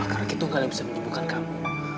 karena kitungga yang bisa menjemputkan kamu